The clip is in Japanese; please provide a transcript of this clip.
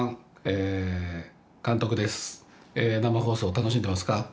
生放送、楽しんでますか？